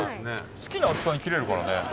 好きな厚さに切れるからね。